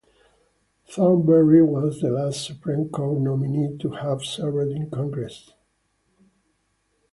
Thornberry was the last Supreme Court nominee to have served in Congress.